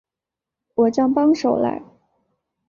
我叫帮手来